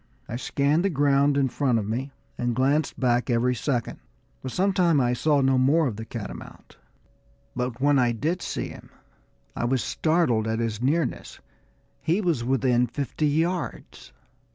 I scanned the ground in front of me, and glanced back every second. For some time I saw no more of the catamount. But when I did see him, I was startled at his nearness; he was within fifty yards.